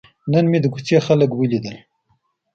نن مې د کوڅې خلک ولیدل.